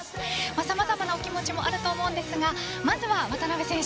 様々なお気持ちもあると思うんですがまずは渡辺選手